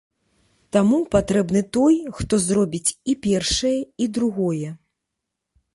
Таму патрэбны той, хто зробіць і першае, і другое.